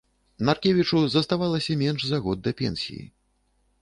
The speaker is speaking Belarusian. Наркевічу заставалася менш за год да пенсіі.